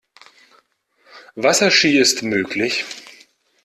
Wasserski ist möglich.